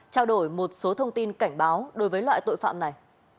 trao đổi một số thông tin cảnh báo đối với loại tội phạm này